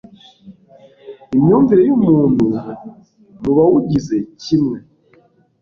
imyumvire y'umuntu mu bawugize kimwe